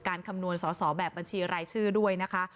คำนวณสอสอแบบบัญชีรายชื่อด้วยนะคะ